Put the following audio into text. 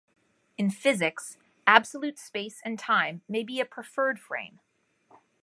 In physics, absolute space and time may be a preferred frame.